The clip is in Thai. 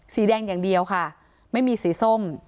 สีแดงอย่างเดียวค่ะไม่มีสีส้ม